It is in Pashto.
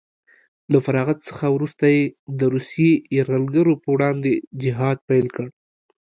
له فراغت څخه وروسته یې د روسیې یرغلګرو په وړاندې جهاد پیل کړ